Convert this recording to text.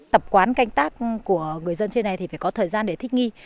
tập quán canh tác của người dân trên này thì phải có thời gian để thích nghi